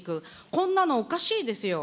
こんなのおかしいですよ。